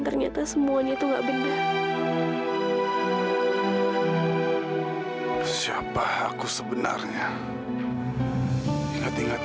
saya sampai khawatir mikirin mas